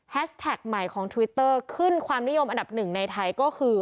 แท็กใหม่ของทวิตเตอร์ขึ้นความนิยมอันดับหนึ่งในไทยก็คือ